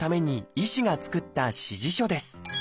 医師が作った指示書です。